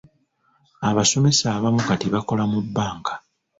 Abasomesa abamu kati bakola mu bbanka.